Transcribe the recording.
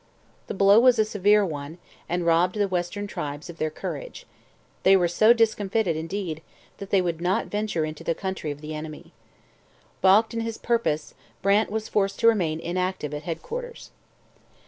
The blow was a severe one and robbed the western tribes of their courage; they were so discomfited, indeed, that they would not venture into the country of the enemy. Balked in his purpose, Brant was forced to remain inactive at headquarters.